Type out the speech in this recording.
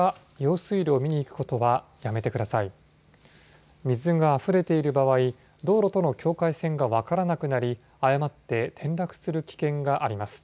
水があふれている場合道路との境界線が分からなくなり誤って転落する危険があります。